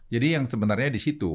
jadi yang sebenarnya di situ